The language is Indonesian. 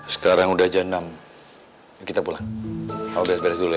sekarang udah aja enam yuk kita pulang kamu beres beres dulu ya